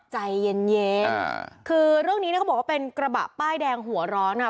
ใจเย็นเย็นอ่าคือเรื่องนี้เนี่ยเขาบอกว่าเป็นกระบะป้ายแดงหัวร้อนอ่ะ